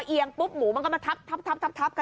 อ่อพอเอียงปุ๊บหมูมันก็มาทับทับ